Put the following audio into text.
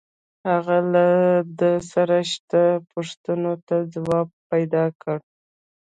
هغه له ده سره شته پوښتنو ته ځواب پیدا کړ